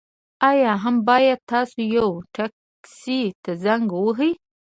یا هم باید تاسو یوه ټکسي ته زنګ ووهئ